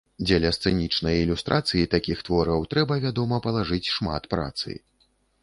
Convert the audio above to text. Дзеля сцэнічнай ілюстрацыі такіх твораў трэба, вядома, палажыць шмат працы.